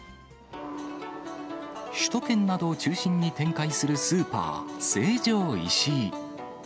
首都圏などを中心に展開するスーパー、成城石井。